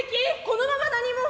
「このまま何も」